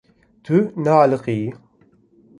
Tu nealiqiyî.